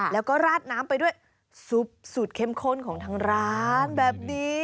แล้วก็ราดน้ำไปด้วยซุปสูตรเข้มข้นของทางร้านแบบนี้